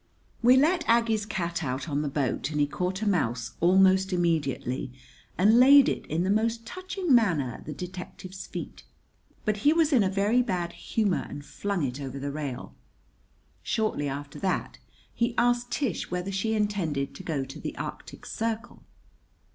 We let Aggie's cat out on the boat and he caught a mouse almost immediately, and laid it in the most touching manner at the detective's feet; but he was in a very bad humor and flung it over the rail. Shortly after that he asked Tish whether she intended to go to the Arctic Circle.